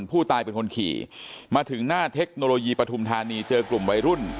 ผู้ตายเป็นคนขี่มาถึงหน้าเทคโนโลยีปฐุมธานีเจอกลุ่มวัยรุ่น